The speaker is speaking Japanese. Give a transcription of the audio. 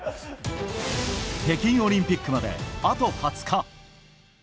北京オリンピックまであと２０日。